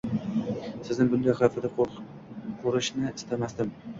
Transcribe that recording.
Sizni bunday qiyofada qo'rishni istamasdim.